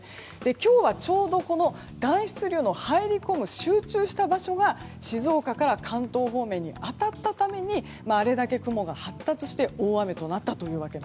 今日はちょうど暖湿流の入り込む集中した場所が静岡から関東方面に当たったためにあれだけ雲が発達して大雨となったと。